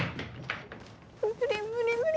無理無理無理！